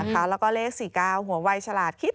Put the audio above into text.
แล้วก็เลข๔๙หัววัยฉลาดคิด